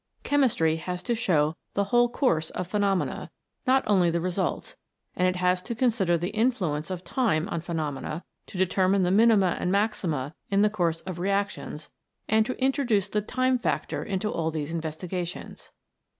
Chemistry has to show the whole course of phenomena, not only the results, and it has to consider the influence of time on phenomena, to determine the minima and maxima in the course of reactions, and to introduce the Time Factor into all these in vestigations.